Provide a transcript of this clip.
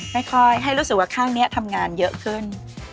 ค่อยให้รู้สึกว่าข้างนี้ทำงานเยอะขึ้น